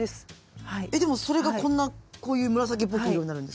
えっでもそれがこんなこういう紫っぽい色になるんですか？